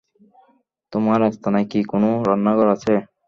তোমার আস্তানায় কি কোনো রান্নাঘর আছে?